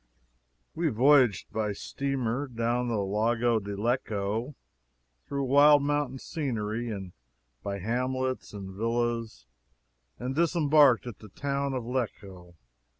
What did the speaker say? We voyaged by steamer down the Lago di Lecco, through wild mountain scenery, and by hamlets and villas, and disembarked at the town of Lecco.